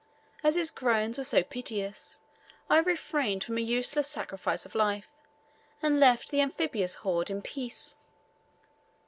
As his groans were so piteous, I refrained from a useless sacrifice of life, and left the amphibious horde in peace.